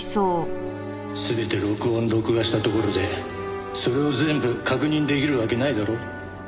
全て録音録画したところでそれを全部確認出来るわけないだろ？